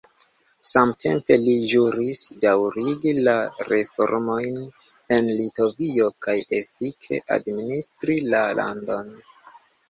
Samtempe li ĵuris daŭrigi la reformojn en Litovio kaj efike administri la landon.